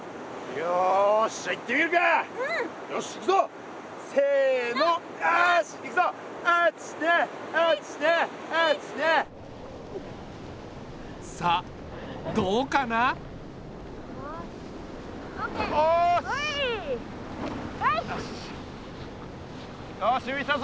よしういたぞ。